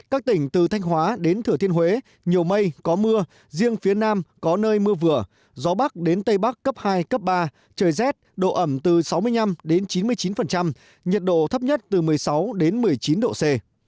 các tỉnh từ thanh hóa đến thừa thiên huế nhiều mây có mưa riêng phía nam có nơi mưa vừa gió bắc đến tây bắc cấp hai cấp ba trời rét độ ẩm từ sáu mươi năm chín mươi chín nhiệt độ thấp nhất từ một mươi sáu đến một mươi chín độ c